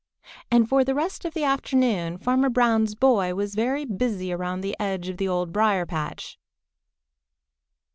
And for the rest of the afternoon Farmer Brown's boy was very busy around the edge of the Old Briar patch.